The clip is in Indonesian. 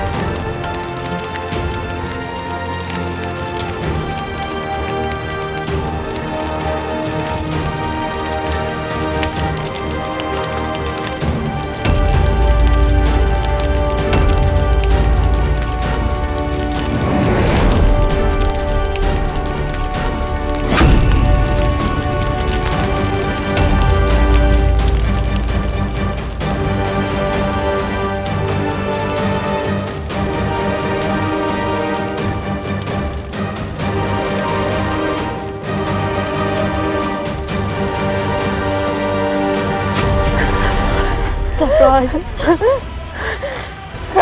kau tidak salah